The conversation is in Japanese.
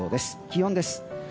気温です。